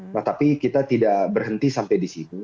nah tapi kita tidak berhenti sampai di situ